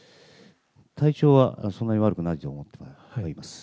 体調はそんなに悪くないと思っております。